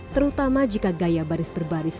terutama jika gaya baris berbaris